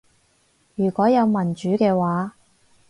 如果有民主嘅話